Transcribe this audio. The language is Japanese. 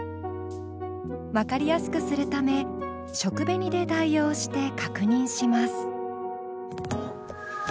分かりやすくするため食紅で代用して確認します。